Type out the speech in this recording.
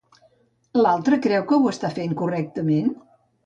L'altra creu que ho està fent correctament?